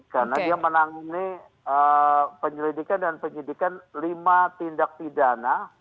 karena dia menangani penyelidikan dan penyidikan lima tindak pidana